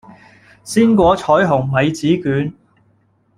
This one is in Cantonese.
鮮果彩虹米紙卷